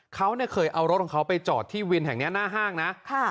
เขาเนี่ยเคยเอารถของเขาไปจอดที่วินแห่งนี้หน้าห้างนะ